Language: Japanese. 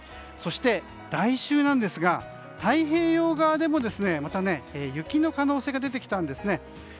そして、来週なんですが太平洋側でもまた雪の可能性が出てきたんです。